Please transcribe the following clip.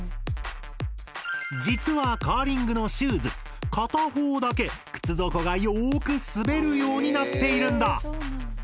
実はカーリングのシューズ片方だけ靴底がよく滑るようになっているんだ。